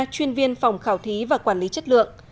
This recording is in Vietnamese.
chuyên viên phòng khảo thí và quản lý chất lượng